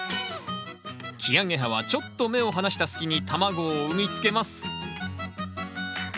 キアゲハはちょっと目を離した隙に卵を産みつけます。